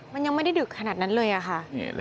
มันยังไม่ได้ดึกขนาดนั้นเลยอะค่ะ